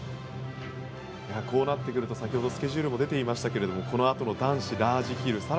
こうなってくるとスケジュールも出ていましたがこのあとの男子ラージヒル